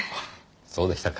そうでしたか。